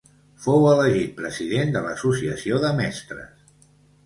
Fou elegit president de l'Associació de mestres.